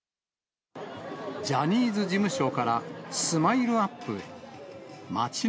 ジャニーズ事務所からスマイルアップへ。